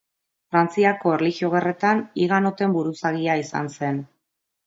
Frantziako Erlijio Gerretan higanoten buruzagia izan zen.